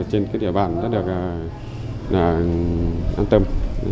trên địa bàn rất là an tâm